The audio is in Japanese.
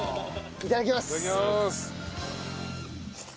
いただきます。